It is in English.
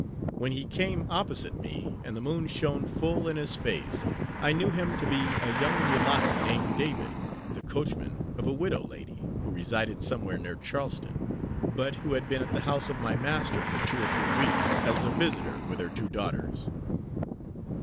When he came opposite me, and the moon shone full in his face, I knew him to be a young mulatto, named David, the coachman of a widow lady, who resided somewhere near Charleston; but who had been at the house of my master, for two or three weeks, as a visiter, with her two daughters.